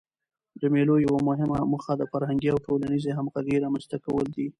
د مېلو یوه مهمه موخه د فرهنګي او ټولنیزي همږغۍ رامنځ ته کول دي.